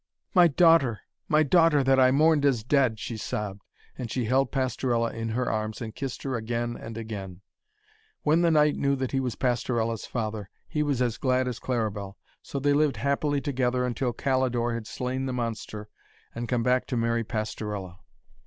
'My daughter, my daughter, that I mourned as dead!' she sobbed, as she held Pastorella in her arms and kissed her again and again. When the knight knew that he was Pastorella's father, he was as glad as Claribel. So they lived happily together until Calidore had slain the monster and come back to marry Pastorella.